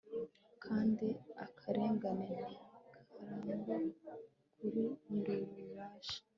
kandi akarengane ntikarangwa kuri nyir'ububasha